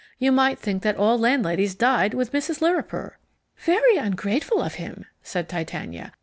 You might think that all landladies died with Mrs. Lirriper." "Very ungrateful of him," said Titania.